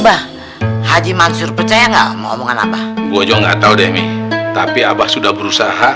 bah haji mansur percaya nggak ngomongan apa gua juga nggak tahu demi tapi abah sudah berusaha